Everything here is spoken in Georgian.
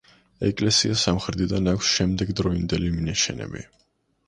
ეკლესიას სამხრეთიდან აქვს შემდეგდროინდელი მინაშენები.